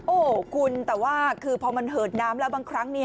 โอ้โหคุณแต่ว่าคือพอมันเหินน้ำแล้วบางครั้ง